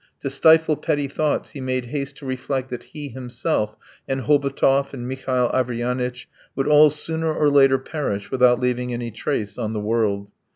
To stifle petty thoughts he made haste to reflect that he himself, and Hobotov, and Mihail Averyanitch, would all sooner or later perish without leaving any trace on the world.